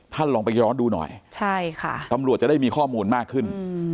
ลองไปย้อนดูหน่อยใช่ค่ะตำรวจจะได้มีข้อมูลมากขึ้น